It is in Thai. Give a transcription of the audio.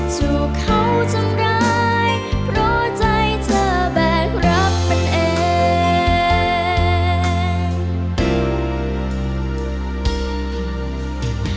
ถูกเขาทำร้ายเพราะใจเธอแบกรับมันเอง